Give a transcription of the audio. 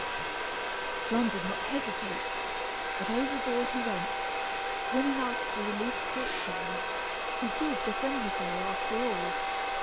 John did not hesitate, but overboard he went, swimming after the released torch bearer, who proved a friendly fellow after all.